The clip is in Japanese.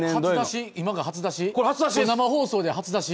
今が初出し？